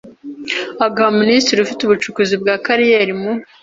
agaha Minisitiri ufite ubucukuzi bwa kariyeri mu